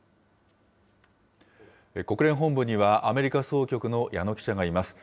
国連本部には、アメリカ総局の矢野記者がいます。